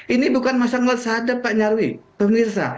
ini bukan masalah sadap pak nyarwi